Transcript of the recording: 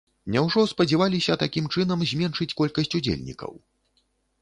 Няўжо спадзяваліся такім чынам зменшыць колькасць удзельнікаў?